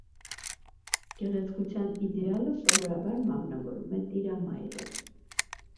Գեղեցկության իդեալը սովորաբար մարմնավորում է տիրամայրը։